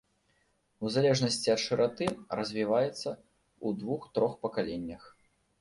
У залежнасці ад шыраты, развіваецца ў двух-трох пакаленнях.